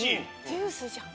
ジュースじゃん。